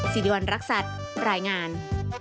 สิริวัณรักษัตริย์รายงาน